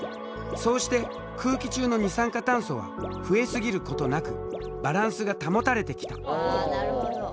そうして空気中の二酸化炭素は増え過ぎることなくバランスが保たれてきた。